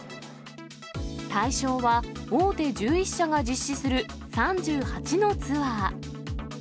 対象は、大手１１社が実施する３８のツアー。